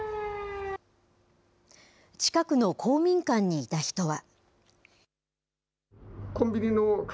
近くの公民館にいた人は。